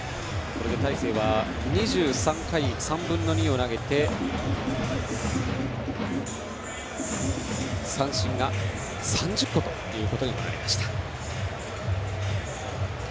これで大勢は２３回３分の２を投げて三振が３０個となりました。